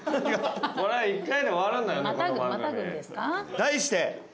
題して。